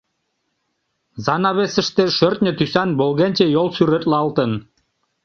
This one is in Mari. Занавесыште шӧртньӧ тӱсан волгенче йол сӱретлалтын.